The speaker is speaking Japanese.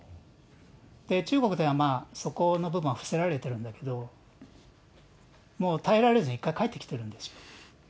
中国では、そこの部分は伏せられてるんだけど、もう耐えられずに一回、帰ってきてるんですよ。